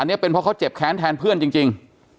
อันนี้เป็นเพราะเขาเจ็บแค้นแทนเพื่อนจริง